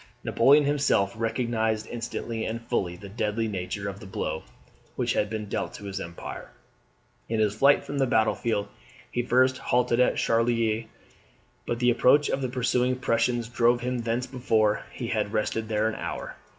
Napoleon himself recognised instantly and fully the deadly nature of the blow which had been dealt to his empire. In his flight from the battle field he first halted at Charleroi, but the approach of the pursuing Prussians drove him thence before he had rested there an hour.